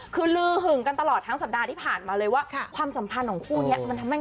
คือลือหึงกันตลอดทั้งสัปดาห์ที่ผ่านมาเลยว่าความสัมพันธ์ของคู่นี้มันทำให้